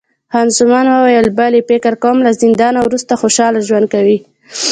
خان زمان وویل، بلی، فکر کوم له زندانه وروسته خوشحاله ژوند کوي.